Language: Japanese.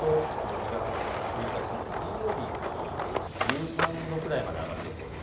２月１日の水曜日、各地１３度くらいまで上がる予想です。